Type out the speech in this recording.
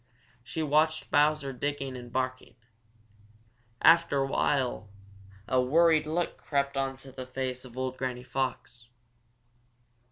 She watched Bowser digging and barking. After a while a worried look crept into the face of old Granny Fox.